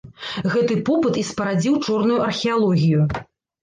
Гэты попыт і спарадзіў чорную археалогію.